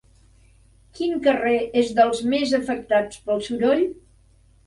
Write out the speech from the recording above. Quin carrer és dels més afectats pel soroll?